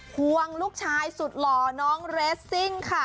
ควงลูกชายสุดหล่อน้องเรสซิ่งค่ะ